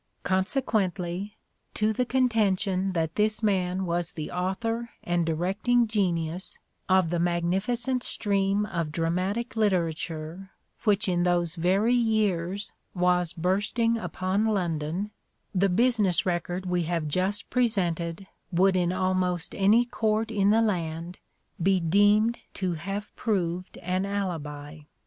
Consequently, to the contention that this man was the author and directing genius of the magnificent stream of dramatic literature which in those very years was bursting upon London, the business record we have just presented, would in almost any court in the land be deemed to have proved an alibi.